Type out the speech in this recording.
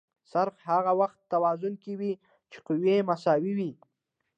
څرخ هغه وخت توازن کې وي چې قوې مساوي وي.